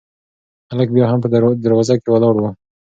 هلک بیا هم په دروازه کې ولاړ و.